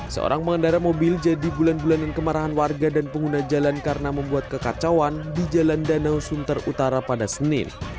seorang pengendara mobil jadi bulan bulanan kemarahan warga dan pengguna jalan karena membuat kekacauan di jalan danau sunter utara pada senin